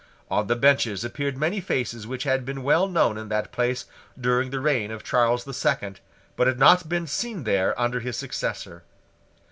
On the benches appeared many faces which had been well known in that place during the reign of Charles the Second, but had not been seen there under his successor.